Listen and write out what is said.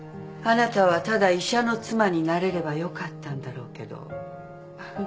あなたはただ医者の妻になれればよかったんだろうけど。